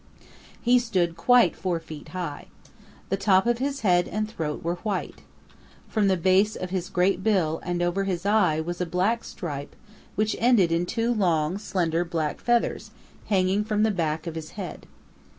He stood quite four feet high. The top of his head and throat were white. From the base of his great bill and over his eye was a black stripe which ended in two long, slender, black feathers hanging from the back of his head.